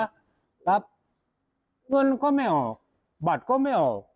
รับเงินก็ไม่ออกบัตรก็ไม่ออก